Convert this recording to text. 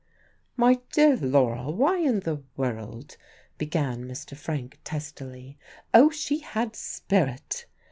"My dear Laura, why in the world " began Mr. Frank testily. "Oh, she had spirit!"